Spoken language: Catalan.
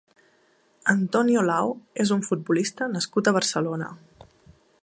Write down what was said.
Antonio Lao és un futbolista nascut a Barcelona.